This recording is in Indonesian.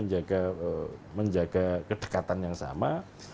itu juga harus menjaga kedekatan yang sama